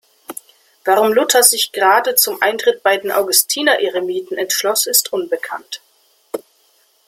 Warum Luther sich gerade zum Eintritt bei den Augustiner-Eremiten entschloss, ist unbekannt.